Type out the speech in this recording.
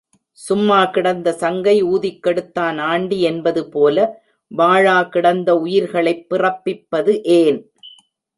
சும்மா கிடந்த சங்கை ஊதிக் கெடுத்தான் ஆண்டி என்பது போல, வாளா கிடந்த உயிர்களைப் பிறப்பிப் பது ஏன்?